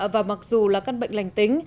và mặc dù là căn bệnh lành tính